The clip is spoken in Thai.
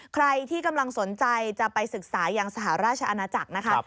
ใครที่กำลังสนใจจะไปศึกษายังสหราชอาณาจักรนะคะ